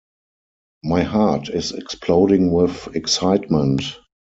My heart is exploding with excitement.